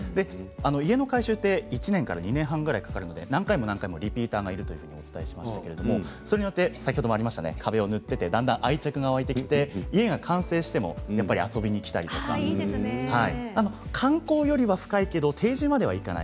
家の改修は１年から２年半ぐらいかかるので何回も何回もリピーターが来るとお伝えしましたがそれによって、壁を塗ってだんだん愛着が湧いてきて家が完成しても遊びに来たり観光よりは深いけど定住まではいかない